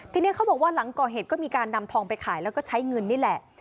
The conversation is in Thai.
ทีนี้เขาบอกว่าหลังก่อเหตุก็มีการนำทองไปขายแล้วก็ใช้เงินนี่แหละ